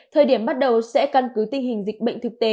thời điểm bắt đầu sẽ căn cứ tình hình dịch bệnh thực tế